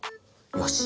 よし！